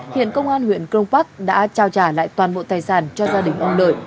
hiện công an huyện công pháp đã trao trả lại toàn bộ tài sản cho gia đình ông nội